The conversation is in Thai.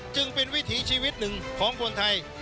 จึงเป็นวิถีชีวิตหนึ่งของคนไทย